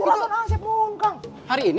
juragan asep mau